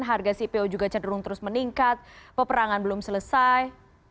harga cpo juga cenderung terus meningkat peperangan belum selesai